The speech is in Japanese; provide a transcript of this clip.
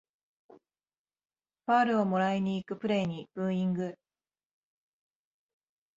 ファールをもらいにいくプレイにブーイング